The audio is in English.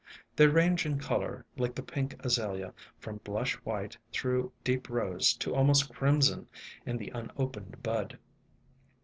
They range in color, like the pink Azalea, from blush white through deep rose to almost crimson in the unopened bud.